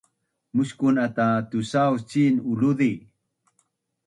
Muskun ata tusauc cin uluzi!